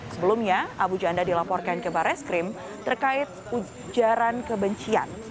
sebelumnya abu janda dilaporkan ke barreskrim terkait ujaran kebencian